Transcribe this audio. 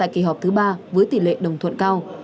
kỳ họp thứ ba với tỷ lệ đồng thuận cao